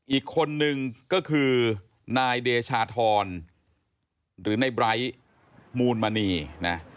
อีกคนนึงก็คือนายเดชาธรหรือในไร้มูลมณีนะ